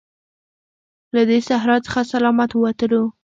له دې صحرا څخه سلامت ووتلو.